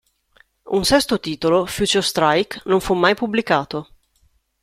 Un sesto titolo, "Future Strike", non fu mai pubblicato.